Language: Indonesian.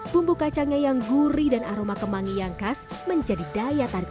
bumbu kacangnya yang gurih dan aroma kemangi yang khas menjadi daya tarik